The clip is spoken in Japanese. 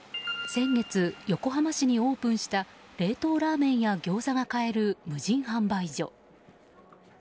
先月、横浜市にオープンした冷凍ラーメンやギョーザが買える無人販売所。